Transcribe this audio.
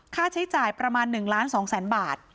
ค่าใช้จ่ายประมาณ๑ล้าน๒แสนบาท